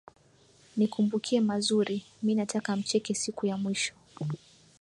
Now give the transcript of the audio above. Nikumbukie mazuri, mi nataka mcheke siku ya mwisho.